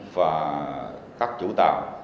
và các chủ tàu